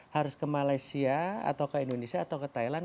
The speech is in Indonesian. harus ke malaysia atau ke indonesia atau ke thailand